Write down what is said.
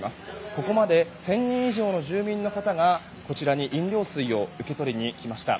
ここまで１０００人以上の住民の方がこちらに飲料水を受け取りに来ました。